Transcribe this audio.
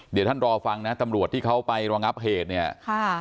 เดี๋ยวท่านรอฟังนะตำรวจที่เขาไปรองับเหตุเนี่ยค่ะ